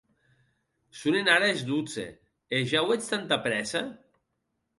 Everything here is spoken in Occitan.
Sonen ara es dotze, e ja auetz tanta prèssa?